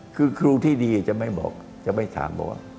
คือครูที่ดีจะไม่บอกจะไม่ถามบอกว่า